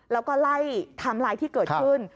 แล้วก็ไล่ไทม์ไลน์ที่เกิดขึ้น